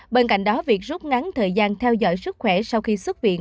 bên cạnh đó việc rút ngắn thời gian theo dõi sức khỏe sau khi xuất viện